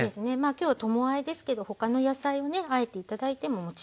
今日ともあえですけど他の野菜をねあえて頂いてももちろんいいです。